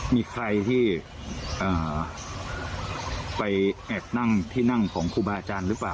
มีใครที่ไปแอบนั่งที่นั่งของครูบาอาจารย์หรือเปล่า